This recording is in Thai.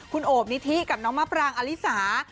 คุณโอบนิธิกับน้องมะปรางอลิสา